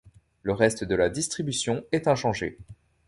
Le reste de la distribution est inchangé.